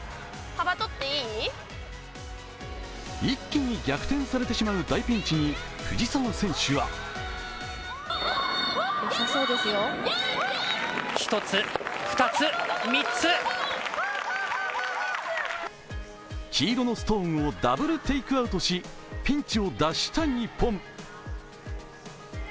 一気に逆転されてしまう大ピンチに藤澤選手は黄色のストーンをダブルテイクアウトし、ピンチを脱したい日本。